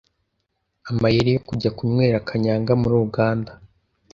Amayeri yo kujya kunywera Kanyanga muri Uganda